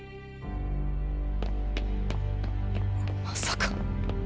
まさか。